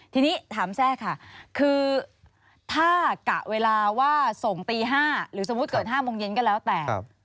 ทีนี้ถามแทรกค่ะคือถ้ากะเวลาว่าส่งตี๕หรือสมมุติเกิด๕โมงเย็นก็แล้วแต่